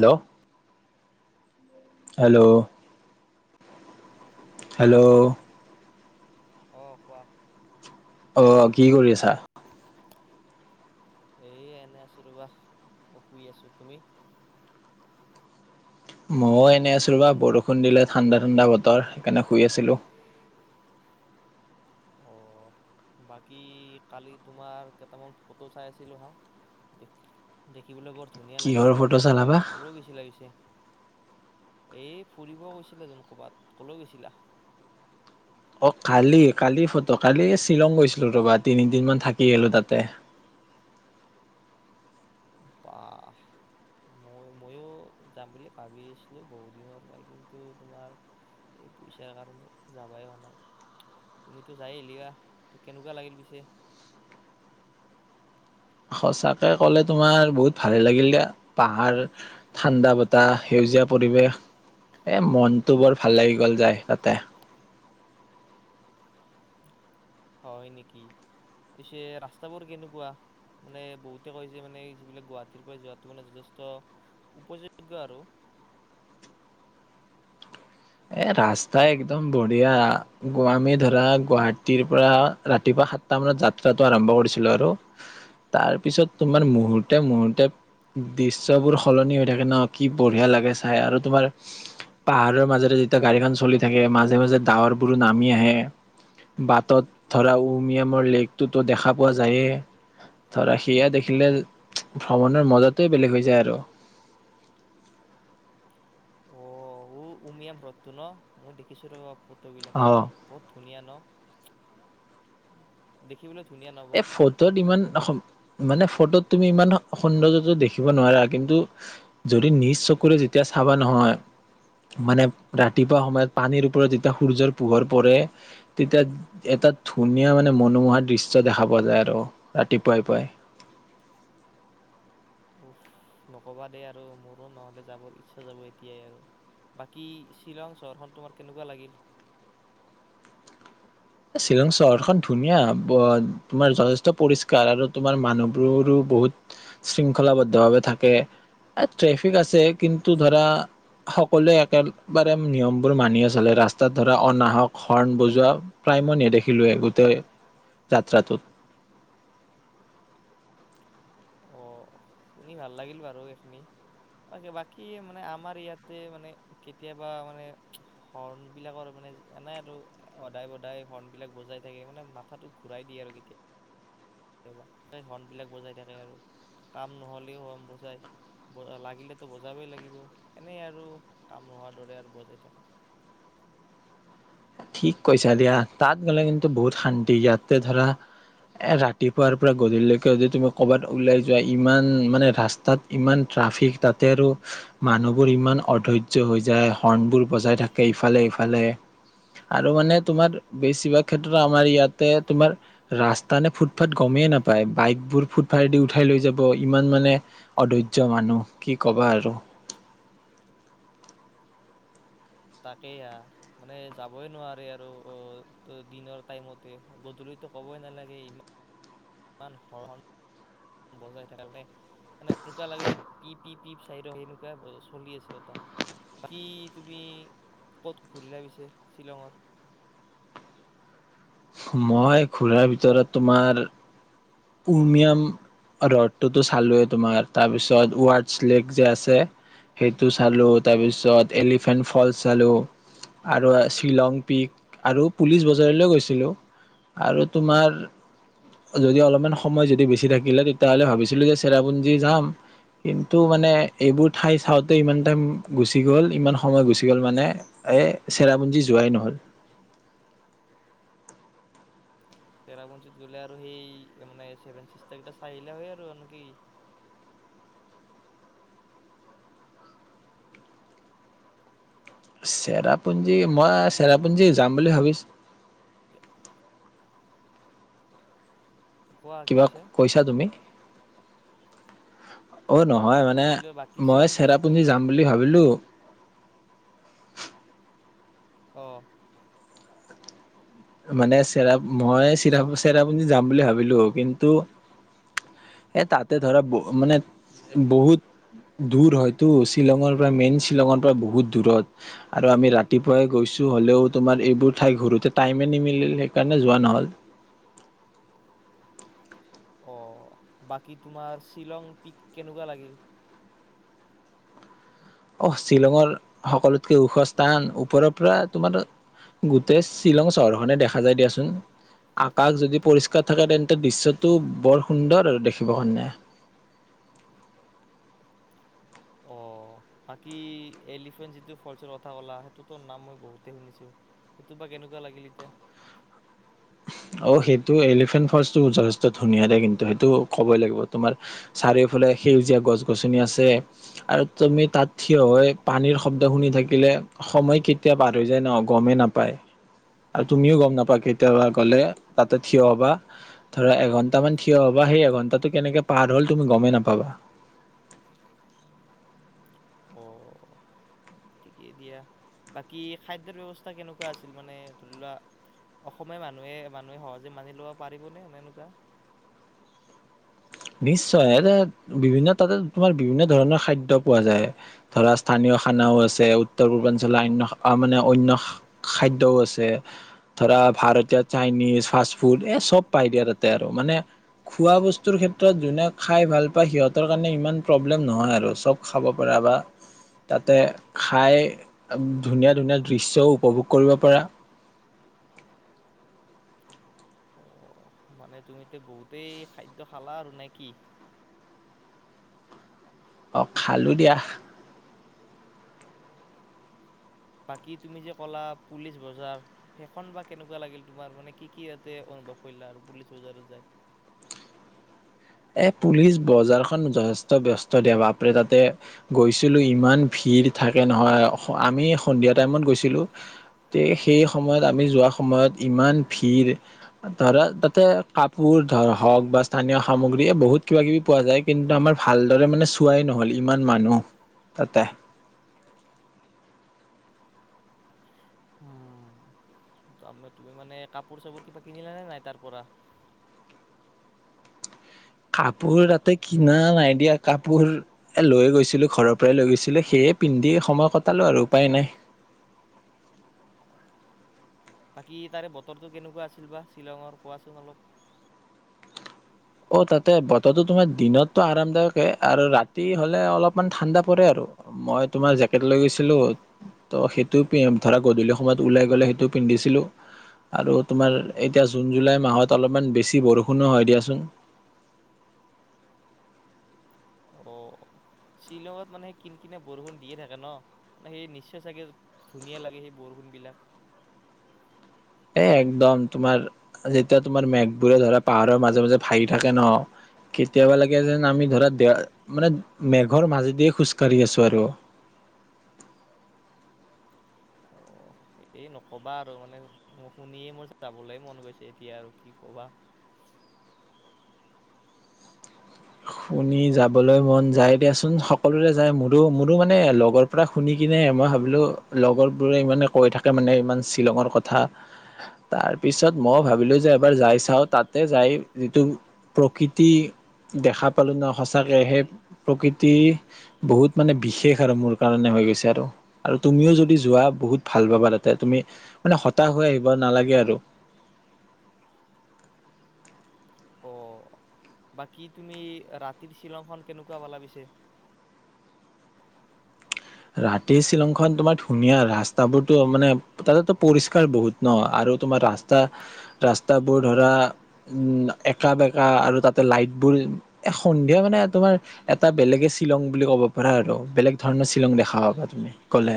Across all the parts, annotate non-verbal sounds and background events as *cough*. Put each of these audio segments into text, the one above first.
Hello hello hello অঁ কোৱা *unintelligible* অ কি কৰি আছে? যাক এ এনে আছো ৰবা অশুই আছো তুমি? মইয়ওো এনেই আছো ৰবা বৰষুণ দিলে ঠাণ্ডা ঠাণ্ডা বতৰ, সেইকাৰণে শুই আছিলো। অ বাকী কালি তোমাৰ কেইটামান ফটো চাই আছিলো হা, দে- দেখিবলৈ বৰ ধুনীয়া কিহৰ লাগিছিল ফটো চালা বা? ক'লেও বেছি লাগিছে এই ফুৰিব গৈছিলেটোন ক'ৰবাত কলৈ গৈছিলা? অ কালি কালি ফটো কালি শ্বিলং গৈছিলো ৰ'বা তিনিদিনমান থাকি আহিলো তাতে বাহ! মই ময়ো যাম বুলি ভাবি আছিলো বহুত দিনৰ পৰা কিন্তু তোমাৰ, এই পইচাৰ কাৰণে যাবাই হোৱা নাই। তুমিতো যাই আহিলিএ ত কেনেকুৱা লাগিল পিছে? সঁচাকে কলে তোমাৰ বহুত ভাল লাগিল দিয়া। পাহাৰ, ঠাণ্ডা বতাহ, সেউজীয়া পৰিৱেশ, এ মনটো বৰ ভাল লাগি গল যায় তাতে। হয় নেকি। পছে ৰাস্তাবোৰ কেনেকুৱা? মানে বহুতে কৈছে মানে যিবিলাক গুৱাহাটীৰ পৰা যোৱাটো মানে যথেষ্ট উপযোগ্য আৰু। এ ৰাস্তা একদম বঢ়িয়া। *unintelligible* আমি ধৰা গুৱাহাটীৰ পৰা ৰাতিপুৱা সাতটা মানত যাত্ৰাটো আৰম্ভ কৰিছিলো আৰু তাৰ পিছত তোমাৰ মুহূুৰ্ত মুহুৰ্ত দৃশ্্যবোৰ সলনি হৈ থাকে ন? কি বঢ়িয়া লাগে চাই আৰু তোমাৰ পাহাৰৰ মাজত যেতিয়া গাড়ীখন চলি থাকে, মাজে মাজে ডাৱৰ বোৰো নামি আহে। বাটত ধৰা উমিয়ামৰ লেকটোতো দেখা পোৱা যায়েই। ধৰা সেয়া দেখিলে ভ্ৰমণৰ মজাতোৱে বেলেগ হৈ যায় আৰু। অ উমিয়াম হ্ৰদটো ন? মই দেখিছো ফটোবিলাক অ তোমাৰ। বহুত ধুনীয়া ন? দেখিবলৈ ধুনীয়া ন এ বৰ ফটোত ইমান অসম মানে ফটোত তুমি ইমান সৌন্দৰ্যতো দেখিব নোৱাৰা। কিন্তু--যদি নিজ চকুৰে যেতিয়া চাবা নহয়? মানে ৰাতিপুৱা সময়ত পানীৰ ওপৰত যেতিয়া সূৰ্যৰ পোহৰ পৰে। তেতিয়া এটা ধুনীয়া মানে মনোমোহা দৃষ্টি উ্চ দেখা পোৱা যায় আৰু ৰাতিপুৱাইপুৱাই। উফ নকবা দেেই আৰু মোৰো নহলে যাবৰ ইচ্ছা যাব এতিয়াই আৰু। বাকী শ্বিলং চহৰখন তোমাৰ কেনেকুৱা লাগিল? শ্বিলং চহৰখন ধুনীয়া। তোমাৰ যথেষ্ট পৰিষ্কাৰ আৰু তোমাৰ মানুহবোৰো বহুত শৃংখলাবদ্ধভাৱে থাকে। ট্ৰেফিক আছে কিন্তু ধৰা সকলোৱে একেবাৰে নিয়মবোৰ মানি চলে। ৰাস্তাত ধৰা অনাহক হৰ্ণ বজোৱা প্ৰায় মই নেদেখিলোৱে গোটেই যাত্ৰাটোত। অ শুনি ভাল লাগিল বাৰু এইখিনি। বাকী মানে আমাৰ ইয়াতে মানে কেতিয়াবা মানে হৰ্ণ বিলাকৰ মানে এনেই আৰু সদায় সদায় হৰ্ণবলাক বজাই থাকে মানে মাথাটো ঘূৰাই দিয়ে আৰু কেতিয়া কেতিয়াবা হৰ্ণবিলাক বজাই থাকে আৰু। কাম নহলেও হণ বজাই। লাগিলেতো বজাবই লাগিব এনেই আৰু কাম নোহোৱাৰ দৰে আৰু বজাই থাকে। ঠিক কৈছা দিয়া। তাত গ'লে কিন্তু বহুত শান্তি ইয়াতে ধৰা এ ৰাতিপুৱাৰ পৰা গধূলিকে যদি তুমি কৰ'বাত ওলাই যোৱা ইমান মানে ৰাস্তাত ইমান ট্ৰাফিক তাতে আৰু মানুহবোৰ ইমান অধৰ্য্য হৈ যায় হৰ্ণবোৰ বজাই থাকে ইফালে ইফালে। আৰু মানে তোমাৰ বেছিভাগ ক্ষেত্ৰত আমাৰ ইয়াতে তোমাৰ ৰাস্তা নে ফুটফাথ গমেই নাপায়, বাইকবোৰ ফুটফাথদি উঠাই লৈ যাব ইমান মানে অধৈৰ্য মানুহ কি কবা আৰু। তাকেই আহ। মানে যাবই নোৱাৰে আৰু অ' দিনৰ টাইমতে গধূলিটো ক'বই নালাগে ইমান ই হৰ বজাই থাকোনে এনেকুৱা লাগে পি-পি-পি চাইড সনেকুৱাই চলি আছিল ত কি তুমি ক'ত ঘূৰিল পিছে শ্বিলঙৰ? মই ঘুৰাৰ ভিতৰত তোমাৰ উমিয়াম ৰদটোতো চালোয়ে তোমাৰ, তাৰপিছত ৱডছ লেক যে আছে? সেইটো চালো তাৰপিছত তাৰছত এলিফেন্ট ফলচ চালোঁ। আৰু শ্বিলং পিক আৰু পুলিচ বজাৰলৈ গৈছিলোঁ আৰু তোমাৰ যদি অলপমান সময় যদি বেছি থাকিলে তেতিয়া হ'লে ভাবিছিলো যে চেৰাপুঞ্জি যাম। কিন্তু মানে এইবোৰ ঠাই চাওঁতে ইমান টাইম গুচি গ'ল, ইমান সময় গুচি গ'ল মানে এ চেৰাপুঞ্জি যোৱাই নহল। চেৰাপুঞ্জীত গ'লে আৰু সেই মানে চেভেন চিছতাৰ চাই আহিলে হয় আৰু কি? চেৰাপুঞ্জী মই চেৰাপুঞ্জী যাম বুলি ভাবিছো কোৱা কি কিবা কৈছা তুমি? অ' নহয় সেইটো মানে। হৈছিলে বাকী মই শ্বিলং যিটো পি চেৰাপুঞ্জী যাম বুলি ভাবিলো অ' মানে চে মই চি চেৰাপুঞ্জী যাম বুলি ভাবিলো। কিন্তু এ তাতে ধৰা মানে বহুত দূৰ হয়তো? শ্বিলঙৰ পৰা মেইন শ্বিলঙৰ পৰা বহুত দূৰত আৰু আমি ৰাতিপুৱাই গৈছো হলেও তোমাৰ এইবোৰ ঠাই ঘূৰোঁতে টাইমে নিমিল সেইকাৰণে যোৱা নহ'ল। অ' বাকী তোমাৰ শ্বিলং পিক কেনেকুৱা লাগিল? আহ! শ্বিলঙৰ সকলোতকে ওখ স্থান, ওপৰৰ পৰা তোমাৰ গোটেই শ্বিলং চহৰখনে দেখা যায় দিয়াচোন। আকাশ যদি পৰিষ্কাৰ থাকে তেন্তে দৃশ্যটো বৰ সুন্দৰ আৰু দেখিব কাৰনে। অ' বাকী এলিফেন্ট যিটো ফলচৰ কথা ক'লা সেইটোতো নাম মই বহুতে শুনিছো। সেইটো বা কেনেকুৱা লাগিল এতিয়া? অ' সেইটো এলিফেণ্ট ফচটো যথেষ্ট ধুনীয়া দেই কিন্তু সেইটো ক'বই লাগিব। তোমাৰ চাৰিওফালে সেউজীয়া গছ গছনি আছে। আৰু তুমি তাত থিয় হৈ পানীৰ শব্দ শুনি থাকিলে সময় কেতিয়া পাৰ হৈ যায় ন গমেই নাপায়। আৰু তুমিও গম নাপা কেতিয়াবা গ'লে তাতে থিয় হবা ধৰা এঘণ্টা মান থিয় হবা সেই এঘন্টাটো কেনেকে পাৰ হল তুমি গমেই নাপাবা। এ দিয়া। বাকী খাদ্যৰ ব্য়ৱস্থা কেনেকুৱা আছিল? মানে ধৰি লোৱা অসমীয়া মানুহে মানুহে সহজে মানি লব পাৰিবনেে এনেকুৱা? নিশ্চয়! বিভিন্ন তাতে তোমাৰ বিভিন্ন ধৰণৰ খাদ্যয় পোৱা যায় ধৰা স্থানীয় খানাও আছে। উত্তৰ পূৰ্বাঞ্চলৰ অন্য মানে অন্য খাদ্যও আছে। ধৰা ভাৰতীয় চাইনিজ ফাষ্ট ফুড এই চব পাই দিয়া তাতে আৰু। মানে খোৱা বস্তুৰ ক্ষেত্ৰত সত যোনে খাই ভাল পায় সিহঁতৰ কাৰণে ইমান প্ৰব্লেম নহয় আৰু চব খাব পাবা তাতে খাই ধুনীয়া ধুনীয়া দৃশ্যও উপভোগ কৰিব পাৰা। অ' মানে তুমিতে বহুতেই খাদ্য খালা আৰু নে কি? অ' খালোঁ দিয়া। বাকী তুমি যে ক'লা পুলিচ বজাৰ সেইখন বা কেনেকুৱা লাগিল তোমাৰ? মানে কি কি ইয়াতে অনুভৱ কৰিলা আৰু পুলিচ বজাৰত যায়? এই পুলিচ বজাৰখন যথেষ্ট ব্যস্ত বাপৰে তাতে গৈছিলোঁ ইমান ভিৰ থাকে নহয়! আমি সন্ধিয়া টাইমত গৈছিলোঁ তে সেই সময়ত আমি যোৱা সময়ত ইমান ভিৰ ধৰা তাতে কাপোৰ ধৰ হওক বা স্থানীয় সামগ্ৰীযে বহুত কিবা কিবি পোৱা যায়। কিন্তু আমাৰ ভালদৰে মানে চোৱাই নহ'ল ইমান মানুহ তাতে। তাৰে তুমি মানে কাপোৰ চাপোৰ কিবা কিনিলানে নাই তাৰ পৰা। কাপোৰ তাতে কিনা নাই দিয়া কাপোৰ লৈ গৈছিলো ঘৰৰ পৰাই লৈ গৈছিলো সেয়ে পিন্ধি সময় কটালো আৰু উপায় নাই। বাকী তাৰে বতৰটো কেনেকুৱা আছিল বা শ্বিলঙৰ কোৱাচোন অলপ। অ' তাতে বতৰটো তোমাৰ দিনততটো আৰামদায়কে আৰু ৰাতি হ'লে অলপমান ঠাণ্ডা পৰে আৰু মই তোমাৰ জেকেট লৈ গৈছিলোঁ তো সেইটো ধৰা গধূলি সময়ত ওলাই গ'লে সেইটো পিন্ধিছিলোঁ আৰু তোমাৰ এতিয়া জুন জুলাই মাহত অলপমান বেছি বৰষুণো হয় দিয়াচোন। অ' শ্বিলঙত মানে সেই কিন কিনিয়া বৰষুণ দিয়ে থাকে ন, মানে সেই নিছে চাগে ধুনীয়া লাগে সেই বৰষুণ বিলাক। এ একদম তোমাৰ যেতিয়া তোমাৰ মেঘবোৰে ধৰা পাহাৰৰ মাজে মাজে ভাহি থাকে ন কেতিয়াবা লাগে যেন আমি ধৰা দে মানে মেঘৰ মাজেদিয়ে খোজকাঢ়ি আছো আৰু অ' এই নকবা আৰু মানে শুনিয়ে মোৰ যাবলৈ মন গৈছে এতিয়া আৰু কি ক'বা। শুনি যাবলৈ মন যায় দিয়াচোন সকলোৰে যায় মোৰ। ত মোৰো মানে লগৰ পৰা শুনি কিনে মই ভাবিলো লগৰ বোৰে ইমানে। কৈ থাকে মানে ইমান শ্বিলঙৰ কথা তাৰপিছত মইও ভাবিলো যে এবাৰ যাই চাওঁ তাতে যাই যিটো প্ৰকৃতি দেখা। পালো ন সঁচাকে সেই প্ৰকৃতি বহুত মানে বিশেষ আৰু মোৰ কাৰণে হৈ গৈছে আৰু আৰু তুমিও যদি যোৱা বহুত ভাল পাবা তাতে তুমি মানে হতাশ হৈ আহিব নালাগে আৰু। অ' বাকী তুমি ৰাতিৰ শ্বিলংখন কেনেকুৱা পালা পিছে? ৰাতিৰ শ্বিলংখন তোমাৰ ধুনীয়া ৰাস্তাবোৰতো মানে তাতে তু পৰিষ্কাৰ বহুত ন আৰু তোমাৰ ৰাস্তা ৰাস্তাবোৰ ধৰা উম একা বেকা আৰু তাতে লাইট বোৰ এ সন্ধিয়া মানে তোমাৰ এটা বেলেগে শ্বিলং বুলি ক'ব পাৰা আৰু বেলেগ ধৰণৰ। শ্বিলং দেখা পাবা তুমি গলে।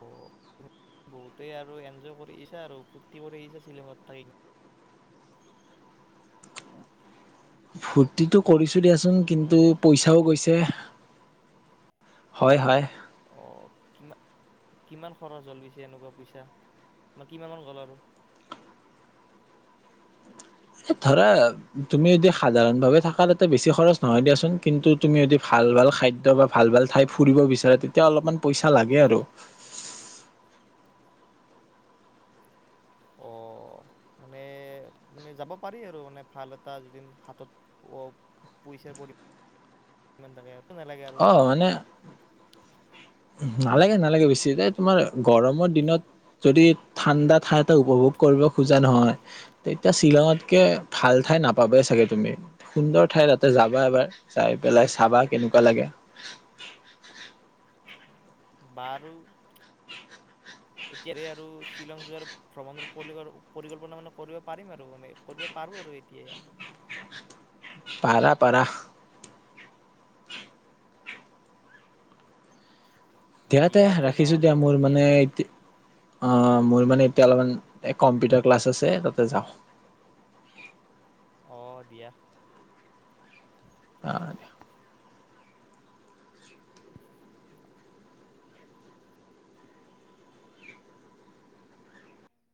অ' তুমি বহুতেই আৰু এনজয় কৰি আহিছা আৰু ফূুৰ্তি কৰি আহিছা চাগে চিলঙত থাকি। ফূৰ্তিটো কৰিছো। দিয়াচোন কিন্তু হয়নে? পইছাও গৈছে। হয় হয় অ' কি কিমান খৰচ হ'ল পিছে এনেকুৱা ‍ পইছা, কিমান মান গ'ল আৰু? এ ধৰা তুমি যদি সাধাৰণ ভাৱে থাকা তাতে বেছি খৰচ নহয় দিয়াচোন কিন্তু তুমি যদি ভাল ভাল খাদ্য বা ভাল ভাল ঠাই ফুৰিব বিচাৰো তেতিয়া অলপমান পইচা লাগে আৰু। অ মানে মানে যাব পাৰি আৰু মানে ভাল এটা এদিন হাতত অ পইচাৰ পৰি। অহ মানে নালাগে নালাগে বেছি এই তোমাৰ গৰমৰ দিনত যদি ঠাণ্ডা ঠাই এটা উপভোগ কৰিব খোজা নহয় তেতিয়া শ্বিলঙতকে ভাল ঠাই নাপাবাই চাগে তুমি, সুন্দৰ ঠাই তাতে যাবা এবাৰ চাই পেলাই চাবা কেনেকুৱা লাগে। বাৰু এতিয়া আৰু শ্বিলং যোৱাৰ ভ্ৰমণৰ পৰি পৰিকল্পনা মানে কৰিব পাৰিম আৰু মানে কৰিব পাৰো আৰু এতিয়া। পাৰা পাৰা দিয়া তে ৰাখিছো দিয়া মোৰ মানে আহ মোৰ মানে এতিয়া অলপমান কম্পিউটাৰ ক্লাছ আছে তাতে যাওঁ। অ দিয়া। *unintelligible*